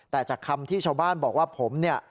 แต่จากคำที่ชาวบ้านบอกว่าผมเนี่ย